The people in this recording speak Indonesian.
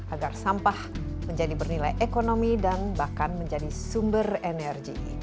agar sampah menjadi bernilai ekonomi dan bahkan menjadi sumber energi